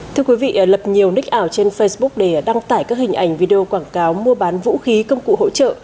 thưa quý vị lập nhiều nick ảo trên facebook để đăng tải các hình ảnh video quảng cáo mua bán vũ khí công cụ hỗ trợ